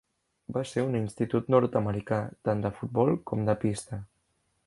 Va ser un institut nord-americà tant de futbol com de pista.